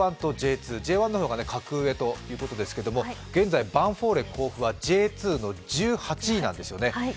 Ｊ１とＪ２、Ｊ１の方が格上ということですけども、現在、ヴァンフォーレ甲府はＪ２の１８位なんですよね。